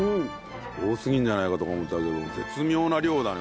多すぎるんじゃないかとか思ったけど絶妙な量だね